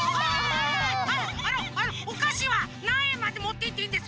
あのあのおかしはなんえんまでもっていっていいんですか？